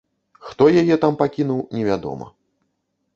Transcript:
Хто яе там пакінуў, невядома.